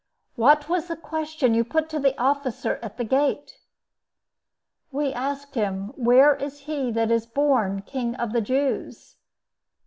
"What was the question you put to the officer at the gate?" "We asked him, Where is he that is born King of the Jews."